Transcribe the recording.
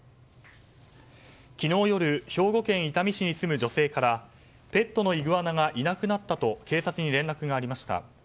昨日夜兵庫県伊丹市に住む女性からペットのイグアナがいなくなったと警察に連絡がありました。